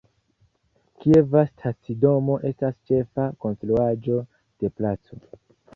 Kieva stacidomo estas ĉefa konstruaĵo de placo.